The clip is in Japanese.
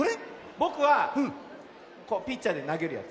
ぼくはピッチャーでなげるやつ。